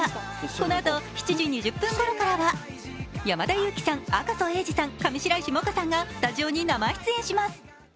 このあと７時２０分ごろからは、山田裕貴さん、赤楚衛二さん、上白石萌歌さんがスタジオに生出演します。